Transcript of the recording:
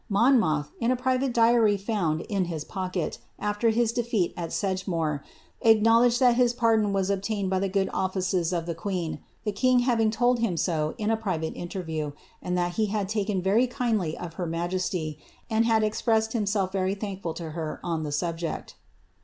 Monmouth, in a private diary found in his pocket, afler his defeat at Sedgemoor, acknowledged that his pardon was obtained by the good offices of the queen, the king having told him so in a private interview, and that he had taken it very kindly of her majesty, and had expressed himself very thankfully to her on the subject.